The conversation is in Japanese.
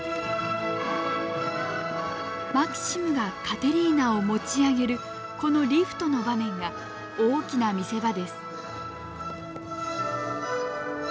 マキシムがカテリーナを持ち上げるこのリフトの場面が大きな見せ場です。